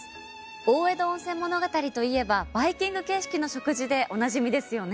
大江戸温泉物語といえばバイキング形式の食事でおなじみですよね。